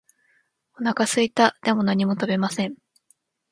お腹すいた。でも何も食べません。